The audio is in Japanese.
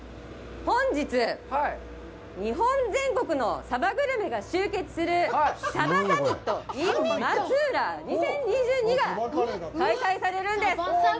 本日、日本全国のサバグルメが集結する「鯖サミット２０２２ｉｎ松浦」が開催されるんです。